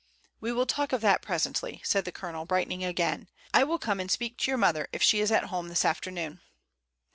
"We will talk of that presently," said the Colo nel, brightening again. "I will come and speak to* your mother, if she is at home this afternoon."